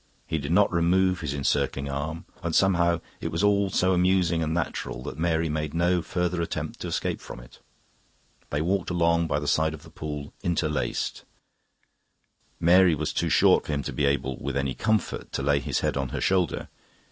He did not remove his encircling arm, and somehow it was all so amusing and natural that Mary made no further attempt to escape from it. They walked along by the side of the pool, interlaced. Mary was too short for him to be able, with any comfort, to lay his head on her shoulder.